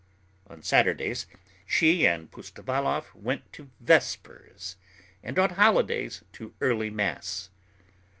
On Saturdays she and Pustovalov went to vespers, and on holidays to early mass.